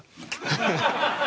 ハハハッ。